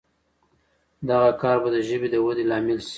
دغه کار به د ژبې د ودې لامل شي.